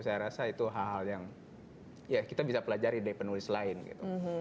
saya rasa itu hal hal yang ya kita bisa pelajari dari penulis lain gitu